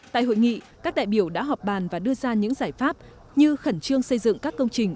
tại hội nghị các đại biểu đã họp bàn và đưa ra những giải pháp như khẩn trương xây dựng các công trình